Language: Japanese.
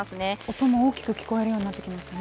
音も大きく聞こえるようになってきましたね。